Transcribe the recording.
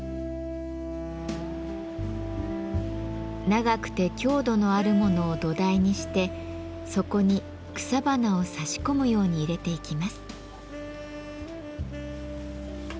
長くて強度のあるものを土台にしてそこに草花を挿し込むように入れていきます。